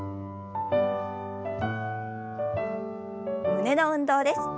胸の運動です。